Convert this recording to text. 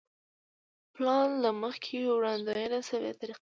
پلان له مخکې وړاندوينه شوې طریقه ده.